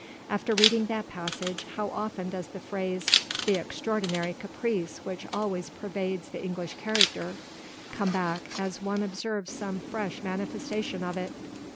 After reading that passage, how often does the phrase "the extraordinary caprice which always pervades the English character" come back as one observes some fresh manifestation of it!